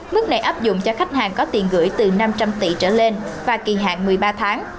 mức này áp dụng cho khách hàng có tiền gửi từ năm trăm linh tỷ trở lên và kỳ hạn một mươi ba tháng